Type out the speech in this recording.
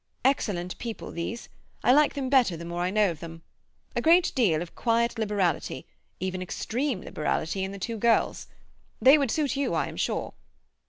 Excellent people these. I like them better the more I know of them. A great deal of quiet liberality—even extreme liberality—in the two girls. They would suit you, I am sure.